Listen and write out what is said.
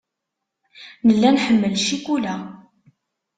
Nella nḥemmel ccikula.